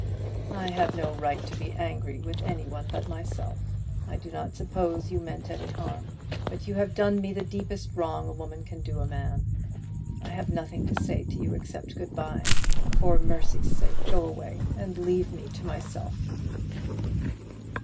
"I have no right to be angry with any one but myself. I do not suppose you meant any harm; but you have done me the deepest wrong a woman can do to a man. I have nothing to say to you except good bye. For mercy's sake go away, and leave me to myself."